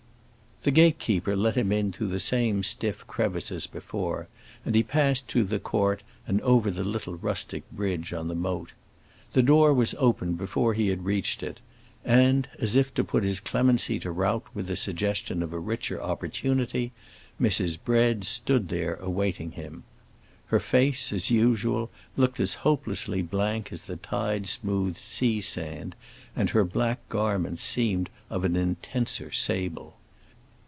The gate keeper let him in through the same stiff crevice as before, and he passed through the court and over the little rustic bridge on the moat. The door was opened before he had reached it, and, as if to put his clemency to rout with the suggestion of a richer opportunity, Mrs. Bread stood there awaiting him. Her face, as usual, looked as hopelessly blank as the tide smoothed sea sand, and her black garments seemed of an intenser sable.